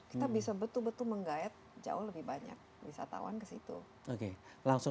kita bisa betul betul menggayat jauh lebih banyak wisatawan ke situ